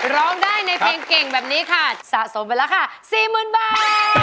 ร้องได้ในเพลงเก่งแบบนี้ค่ะสะสมไปแล้วค่ะ๔๐๐๐บาท